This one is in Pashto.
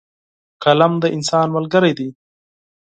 قلم د انسان ملګری دی.